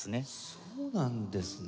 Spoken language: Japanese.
そうなんですね。